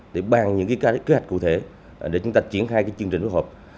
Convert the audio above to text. để bàn những kế hoạch cụ thể để chúng ta triển khai chương trình phối hợp